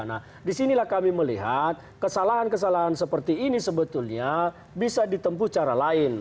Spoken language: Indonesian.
nah disinilah kami melihat kesalahan kesalahan seperti ini sebetulnya bisa ditempuh cara lain